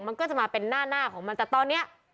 มันก็จะมาเป็นหน้าของมันแต่ตอนนี้